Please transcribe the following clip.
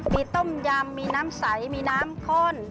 มีต้มยำมีน้ำใสมีน้ำข้น